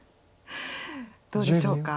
どうでしょうか？